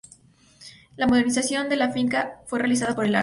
La modernización de la finca fue realizada por el Arq.